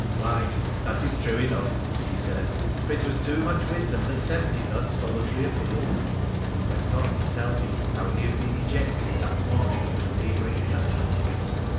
'Why, that is true enough,' he said, 'for it was too much wisdom that sent me thus solitary afield,' and he went on to tell me how he had been ejected that morning from a neigh bouring castle.